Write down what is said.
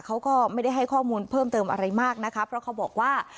เขาก็ไม่ได้ให้ข้อมูลเพิ่มเติมอะไรมากนะคะเพราะเขาบอกว่า